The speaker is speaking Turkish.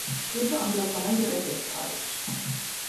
Kadı anlatana göre fetva verir.